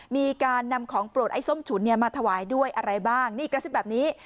มีการนำของโปรดไอ้ส้มฉุนมาถวายด้วยอะไรบ้างนี่กระซิบแบบนี้